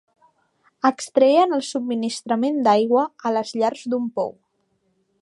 Extreien el subministrament d'aigua a les llars d'un pou.